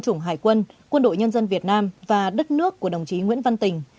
chủng hải quân quân đội nhân dân việt nam và đất nước của đồng chí nguyễn văn tình